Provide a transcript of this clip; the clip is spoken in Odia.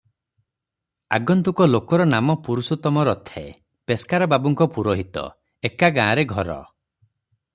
ଆଗନ୍ତୁକ ଲୋକର ନାମ ପୁରୁଷୋତ୍ତମ ରଥେ, ପେସ୍କାର ବାବୁଙ୍କ ପୁରୋହିତ, ଏକା ଗାଁରେ ଘର ।